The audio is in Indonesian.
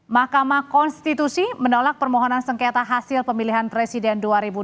mahkamah konstitusi menolak permohonan sengketa hasil pemilihan presiden dua ribu dua puluh